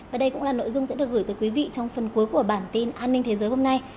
và đây cũng là nội dung sẽ được gửi tới quý vị trong phần cuối của bản tin an ninh thế giới hôm nay